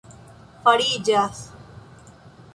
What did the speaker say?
fariĝas